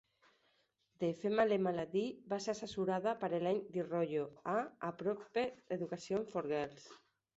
"The Female Malady" va ser assessorada per Elaine DiRollo a "A Proper Education for Girls".